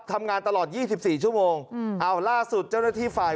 ทำงานตลอด๒๔ชั่วโมงเอาล่าสุดเจ้าหน้าที่ฝ่าย